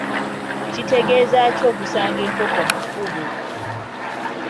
Kitegeeza ki okusanga enkoko mu kkubo?